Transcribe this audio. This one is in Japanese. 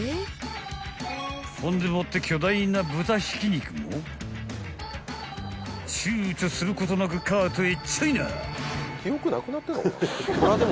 ［ほんでもって巨大な豚挽肉もちゅうちょすることなくカートへちょいな！］